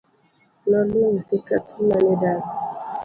Noling' thi kapi mane dapi.